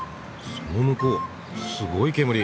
その向こうすごい煙。